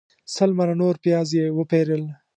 سل منه نور پیاز یې وپیرل.